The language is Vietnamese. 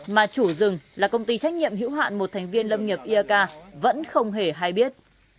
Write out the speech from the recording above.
mà chủ rừng là công ty trách nhiệm hữu hạn một thành viên lâm nghiệp iak vẫn không hề hay biết